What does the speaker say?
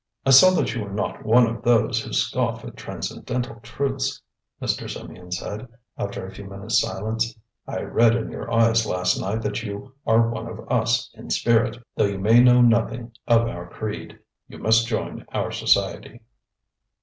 "I saw that you were not one of those who scoff at transcendental truths," Mr. Symeon said, after a few moments' silence. "I read in your eyes last night that you are one of us in spirit, though you may know nothing of our creed. You must join our society."